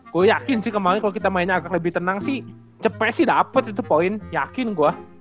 gue yakin sih kemarin kalau kita mainnya akan lebih tenang sih capek sih dapet itu poin yakin gue